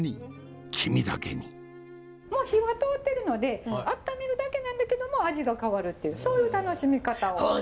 もう火は通ってるのであっためるだけなんだけども味が変わるっていうそういう楽しみ方を。